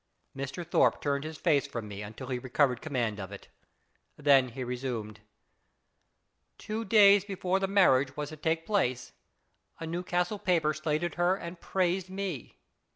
Mr. Thorpe turned his face from me until he recovered command of it. Then he resumed. " Two days before the marriage was to take place a Newcastle paper slated her and praised me.